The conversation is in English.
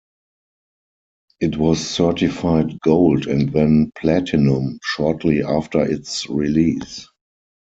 It was certified Gold and then Platinum shortly after its release.